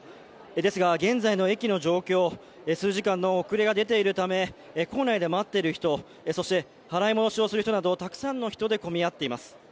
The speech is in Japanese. ですが現在の駅の状況、数時間の遅れが出ているため構内で待っている人、そして払い戻しをする人などたくさんの人で混み合っています。